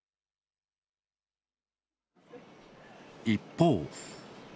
一方。